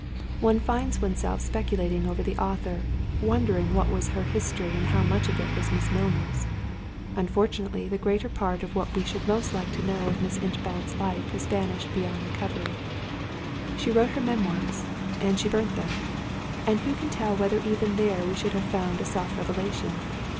One finds oneself speculating over the author, wondering what was her history, and how much of it was Miss Milner's. Unfortunately the greater part of what we should most like to know of Mrs. Inchbald's life has vanished beyond recovery. She wrote her Memoirs, and she burnt them; and who can tell whether even there we should have found a self revelation?